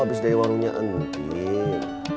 abis deh warungnya nungguin